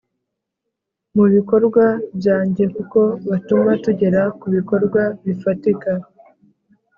mu bikorwa byange kuko batuma tugera ku bikorwa bifatika,